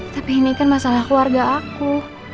tapi ini kan masalah keluarga aku